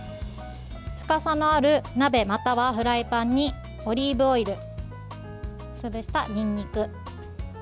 深さのある鍋またはフライパンにオリーブオイル、潰したにんにく。